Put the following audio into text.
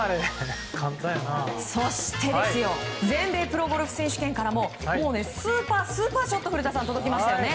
そして全米プロゴルフ選手権からもスーパースーパーショットが古田さん、届きましたよね。